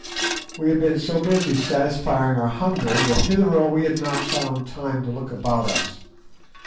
We had been so busy satisfying our hunger that hitherto we had not found time to look about us.